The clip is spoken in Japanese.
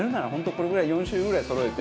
これぐらい４種類ぐらいそろえて。